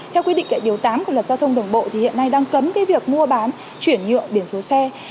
theo quy định tại điều tám của luật giao thông đường bộ thì hiện nay đang cấm việc mua bán chuyển nhượng biển số xe